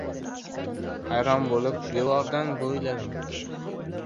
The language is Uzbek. Hayron bo‘lib, devordan bo‘yladim.